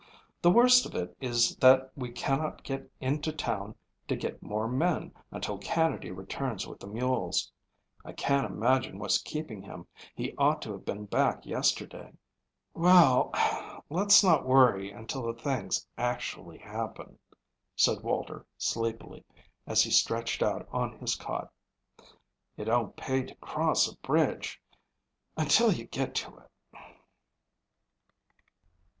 The worst of it is that we cannot get into town to get more men until Canady returns with the mules. I can't imagine what's keeping him. He ought to have been back yesterday." "Well, let's not worry until the things actually happen," said Walter sleepily, as he stretched out on his cot. "It don't pay to cross a bridge until you get to it."